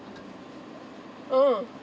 うん。